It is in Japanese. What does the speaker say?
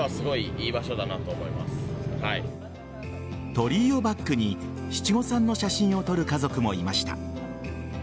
鳥居をバックに七五三の写真を撮る家族もいました。